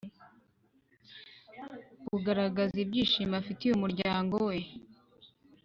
-kugaragaza ibyishimo afitiye umuryango we